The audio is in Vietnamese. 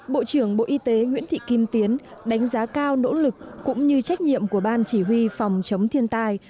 bộ trưởng bộ y tế nguyễn thị kim tiến đánh giá cao nỗ lực cũng như trách nhiệm của ban chỉ huy phòng chống thiên tai